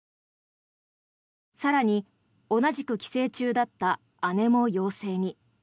更に、同じく帰省中だった姉も陽性に。